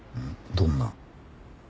どんな？